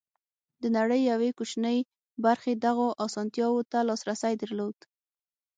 د نړۍ یوې کوچنۍ برخې دغو اسانتیاوو ته لاسرسی درلود.